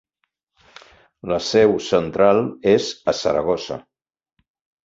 La seu central és a Saragossa.